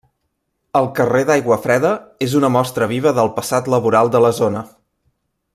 El carrer d'Aiguafreda és una mostra viva del passat laboral de la zona.